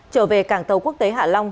trở về cảng tàu quốc tế hạ long